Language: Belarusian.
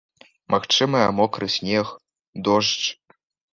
Магчымыя мокры снег, дождж.